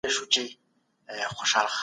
ارغنداب د سولې او سبا استازیتوب کوي.